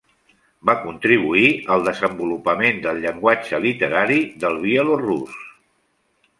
Va contribuir al desenvolupament del llenguatge literari del bielorús.